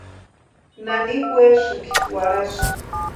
¿Nani werasïnki warhasï?